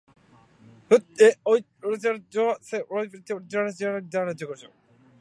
wd っへおい fhwfhfrG 除 j わせ jg おウィ qg じょ wrg じ thl ら jglqg